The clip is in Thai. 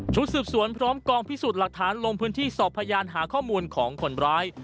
สืบสวนพร้อมกองพิสูจน์หลักฐานลงพื้นที่สอบพยานหาข้อมูลของคนร้าย